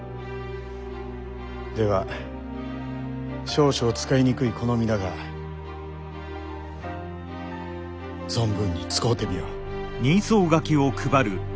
では少々使いにくいこの身だが存分に使うてみよう。